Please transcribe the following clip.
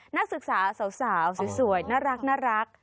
นักศึกษาสาวสวยน่ารัก